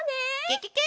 ケケケ！